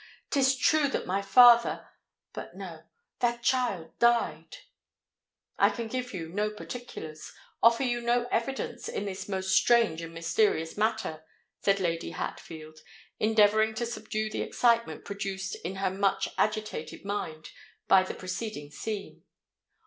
'Tis true that my father——but no——that child died——" "I can give you no particulars—offer you no evidence in this most strange and mysterious matter," said Lady Hatfield, endeavouring to subdue the excitement produced in her much agitated mind by the preceding scene.